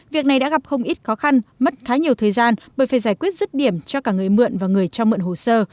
việc này đã gặp không ít khó khăn mất khá nhiều thời gian bởi phải giải quyết rứt điểm cho cả người mượn và người cho mượn hồ sơ